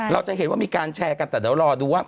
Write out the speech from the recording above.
เราจะเห็นว่ามีการแชร์กันแต่เดี๋ยวรอดูว่า